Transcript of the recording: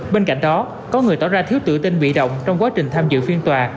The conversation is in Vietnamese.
bên cạnh đó có người tỏ ra thiếu tự tin bị động trong quá trình tham dự phiên tòa